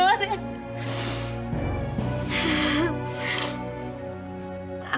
taat nanti tak mati